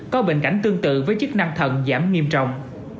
có bệnh cảnh tương tự với chức năng thận giảm nghiêm trọng